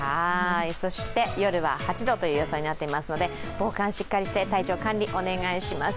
そして夜は８度という予想になってますので防寒、しっかりして体調管理、お願いします。